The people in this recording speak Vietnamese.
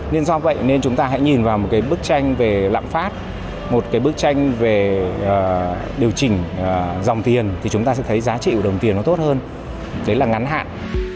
nên do vậy nên chúng ta hãy nhìn vào một cái bức tranh về lạm phát một cái bức tranh về điều chỉnh dòng tiền thì chúng ta sẽ thấy giá trị của đồng tiền nó tốt hơn đấy là ngắn hạn